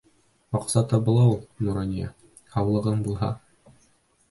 Аҡса табыла ул, Нурания, һаулығың булһа.